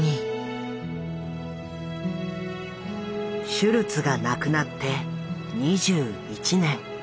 シュルツが亡くなって２１年。